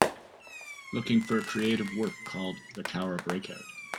Looking for a creative work called The Cowra Breakout